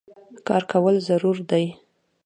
کار کول ضرور دي